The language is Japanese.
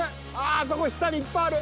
ああそこ下にいっぱいある。